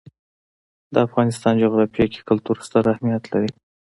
د افغانستان جغرافیه کې کلتور ستر اهمیت لري.